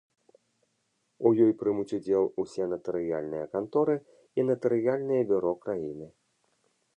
У ёй прымуць удзел усе натарыяльныя канторы і натарыяльныя бюро краіны.